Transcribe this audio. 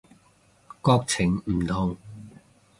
國情唔同